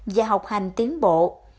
và học hành tiến bộ